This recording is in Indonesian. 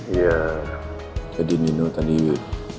iya tadi nino tadi